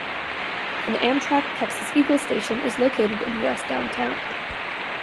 An Amtrak "Texas Eagle" station is located in west downtown.